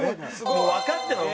もうわかってるわ。